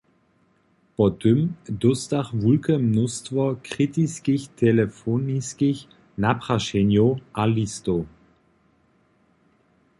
Po tym dóstach wulke mnóstwo kritiskich telefoniskich naprašenjow a listow.